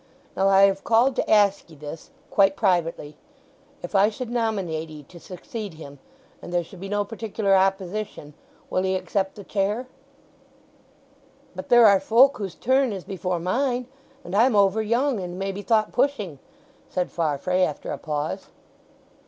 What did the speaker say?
Now I have called to ask 'ee this—quite privately. If I should nominate 'ee to succeed him, and there should be no particular opposition, will 'ee accept the chair?" "But there are folk whose turn is before mine; and I'm over young, and may be thought pushing!" said Farfrae after a pause.